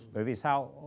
bởi vì sao